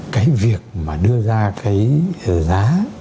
cái việc mà đưa ra cái giá